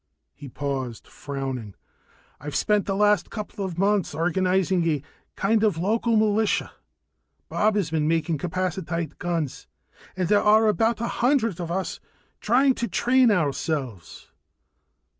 He paused, frowning. "I've spent the last couple of months organizing a kind of local militia. Bob has been making capacitite guns, and there are about a hundred of us trying to train ourselves.